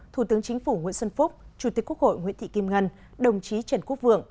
thủ tướng chính phủ nguyễn xuân phúc chủ tịch quốc hội nguyễn thị kim ngân đồng chí trần quốc vượng